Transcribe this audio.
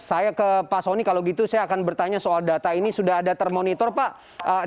saya ke pak soni kalau gitu saya akan bertanya soal data ini sudah ada termonitor pak